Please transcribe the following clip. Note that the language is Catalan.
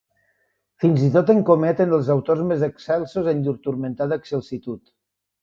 Fins i tot en cometen els autors més excelsos en llur turmentada excelsitud.